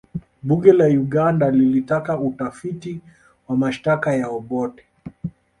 bunge la uganda lilitaka utafiti wa mashtaka ya obote